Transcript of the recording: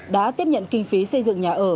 đã tiếp nhận kinh phí xây dựng nhà ở